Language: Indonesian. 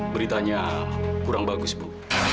beritanya kurang bagus bu